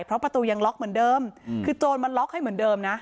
เพราะประตูยังล็อกเหมือนเดิมคือโจรมันล็อกให้เหมือนเดิมนะ